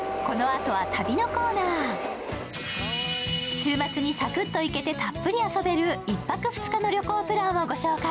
週末にサクッと行けて、たっぷり遊べる１泊２日の旅行プランをご紹介。